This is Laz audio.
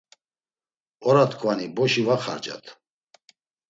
Oratkvani boşi va xarcat.